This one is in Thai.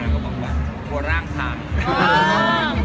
ก็บอกว่าร่างหัก